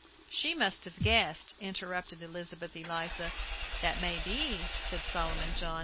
"She must have guessed," interrupted Elizabeth Eliza. "That may be," said Solomon John.